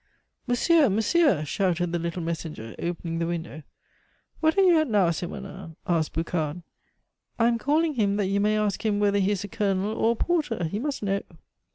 "Monsieur! Monsieur!" shouted the little messenger, opening the window. "What are you at now, Simonnin?" asked Boucard. "I am calling him that you may ask him whether he is a colonel or a porter; he must know."